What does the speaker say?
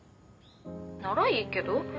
☎ならいいけど。